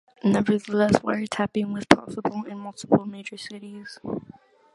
Nevertheless wiretapping was possible in multiple major cities.